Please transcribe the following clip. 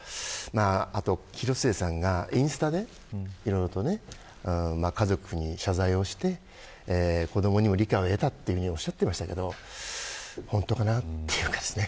あと、広末さんがインスタでいろいろと家族に謝罪をして子どもにも理解を得たというふうにおっしゃっていましたが本当かなという感じですね。